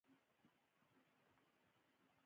زه ستاسي دواړو ښېګڼه غواړم، مهربانه اوسئ.